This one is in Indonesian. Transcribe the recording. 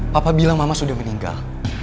papa bilang mama sudah meninggal